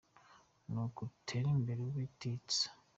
Nuko utere imbere ubutitsa.